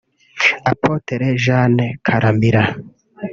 Apotre Jeanne Karamira